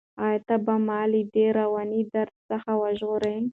ایا ته به ما له دې روان درد څخه وژغورې؟